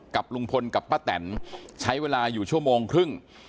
กับลุงพลกับป้าแตนใช้เวลาอยู่ชั่วโมงครึ่ง